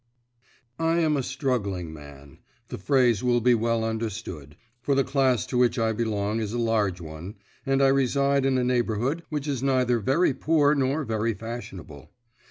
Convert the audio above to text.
I am a struggling man the phrase will be well understood, for the class to which I belong is a large one and I reside in a neighbourhood which is neither very poor nor very fashionable.